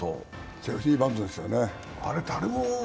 セーフティバントでしたよね。